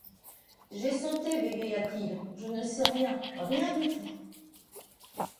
J'ai sauté, bégaya-t-il, je ne sais rien, rien du tout.